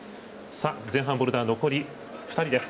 前半ボルダー、残り２人です。